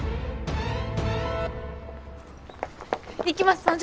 行きます。